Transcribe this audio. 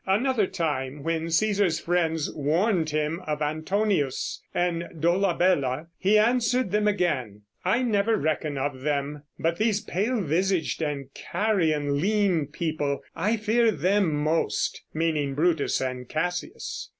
Another time when Cæsar's friends warned him of Antonius and Dolabella, he answered them again, "I never reckon of them; but these pale visaged and carrion lean people, I fear them most," meaning Brutus and Cassius.